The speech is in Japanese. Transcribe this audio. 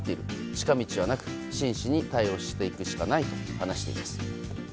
近道はなく真摯に対応していくしかないと話しています。